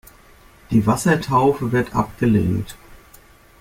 Die Wassertaufe wird abgelehnt.